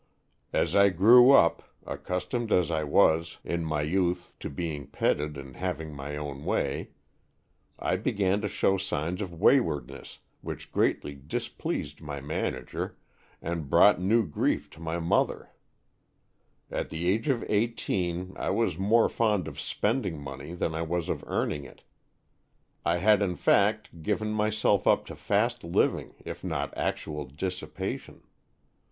As I grew up (accustomed as I was in my youth to being petted and having my own way) I began to show signs of waywardness which greatly displeased my manager and brought new grief to 22 Stories from the Adirondack^. my mother. At the age of eighteen I was more fond of spending money than I was of earning it. I had in fact given myself up to fast living, if not actual dissipation.